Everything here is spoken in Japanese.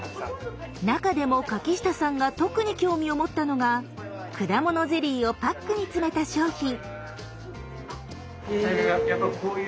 中でも柿下さんが特に興味を持ったのが果物ゼリーをパックに詰めた商品。